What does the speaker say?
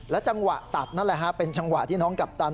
จังหวะตัดนั่นแหละฮะเป็นจังหวะที่น้องกัปตัน